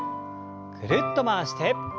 ぐるっと回して。